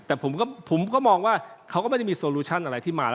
แต่ผมก็มองว่าเขาก็ไม่ได้มีโซลูชั่นอะไรที่มาแล้ว